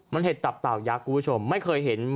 มันเห็ดตับเต่ายักษ์คุณผู้ชมไม่เคยเห็น